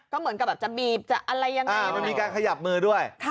ก็เหมือนกับจับบีบมีการขยับมือด้วย